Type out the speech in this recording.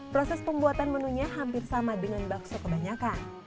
proses pembuatan menunya hampir sama dengan bakso kebanyakan